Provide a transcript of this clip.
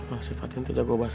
oh sampe aku bisa kawayaksi